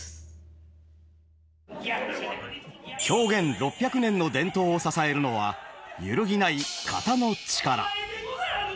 狂言６００年の伝統を支えるのは揺るぎない「型」の力。